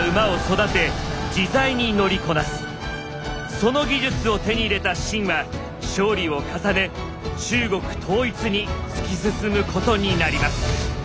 その技術を手に入れた秦は勝利を重ね中国統一に突き進むことになります。